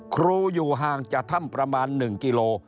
ครูอยู่ห่างจากถ้ำประมาณ๑กิโล